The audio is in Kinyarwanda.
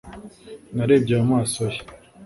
Narebye mu maso ye